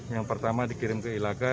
yang pertama dikirim ke ilaka